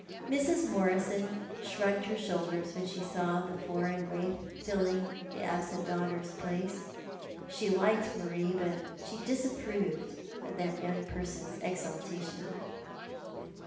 Mrs. Morison shrugged her shoulders when she saw the foreign waif filling t'te absent daughter's place. She liked Marie, but she disapproved of that young person's exaltation.